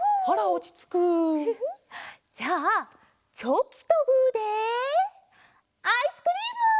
あらおちつく。じゃあチョキとグーでアイスクリーム！